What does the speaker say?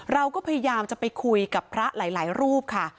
เราก็พยายามจะไปคุยกับพระหลายรูปค่ะ